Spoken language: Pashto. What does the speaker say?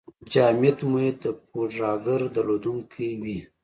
جامد محیط د پوډراګر درلودونکی وي.